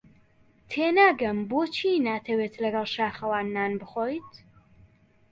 تێناگەم بۆچی ناتەوێت لەگەڵ شاخەوان نان بخۆیت.